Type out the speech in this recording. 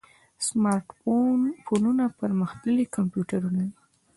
سمارټ فونونه پرمختللي کمپیوټرونه دي.